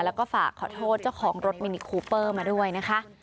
แล้วก็ฝากขอโทษเจ้าของรถมินิคูเปอร์มาด้วยนะคะ